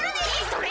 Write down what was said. それ！